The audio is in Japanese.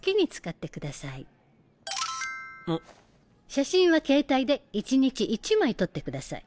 写真は携帯で１日１枚撮ってください。